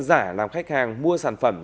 giả làm khách hàng mua sản phẩm